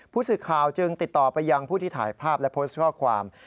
ผู้สื่อข่าวจึงติดต่อไปยังผู้ที่ถ่ายภาพและโพสต์ข้อความ